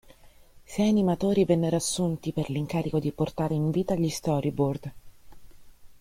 Sei animatori vennero assunti per l'incarico di portare in vita gli storyboard.